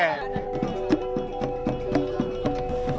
nah ada hebat